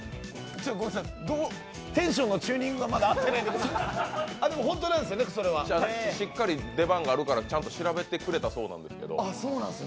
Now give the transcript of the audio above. テンションのチューニングがまだ合ってないんで、しっかり出番があるからちゃんと調べてくれたそうですけど。